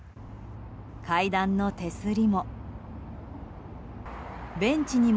階段の手すりも。